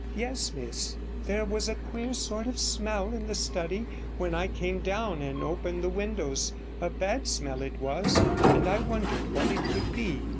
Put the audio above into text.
'Yes, miss. There was a queer sort of smell in the study when I came down and opened the windows; a bad smell it was, and I wondered what it could be.